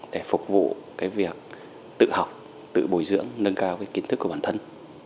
để phục vụ việc tự học tự bồi dưỡng nâng cao cái kiến thức của bản thân